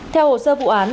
theo hồ sơ vụ án